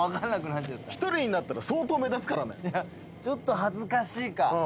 ちょっと恥ずかしいか。